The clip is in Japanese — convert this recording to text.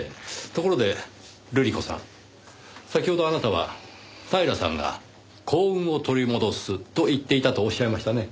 ところで瑠璃子さん先ほどあなたは平さんが「幸運を取り戻す」と言っていたとおっしゃいましたね？